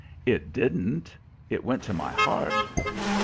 "It didn't. It went to my heart."